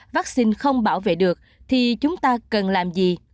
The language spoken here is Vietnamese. vaccine không bảo vệ được thì chúng ta cần làm gì